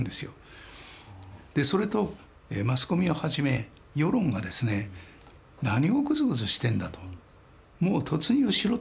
それとマスコミをはじめ世論がですね何をぐずぐずしてるんだと。